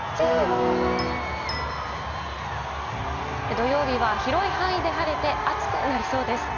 土曜日は広い範囲で晴れて暑くなりそうです。